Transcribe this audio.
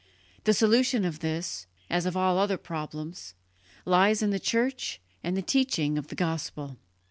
The solution of this, as of all other problems, lies in the Church and the teaching of the Gospel."